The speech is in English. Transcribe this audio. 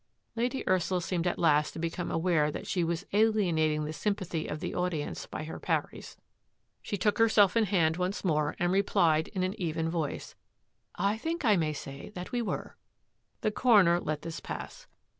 Lady Ursula seemed at last to become aware that she was alienating the sympathy of the au dience by her parries. She took herself in hand once more and replied in an even voice, " I think I may say that we were," The coroner let this pass.